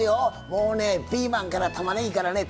もうねピーマンからたまねぎからね